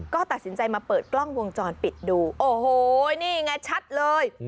ก็ตัดสินใจมาเปิดกล้องวงจรปิดดูโอ้โหนี่ไงชัดเลย